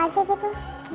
kayak nggak gitu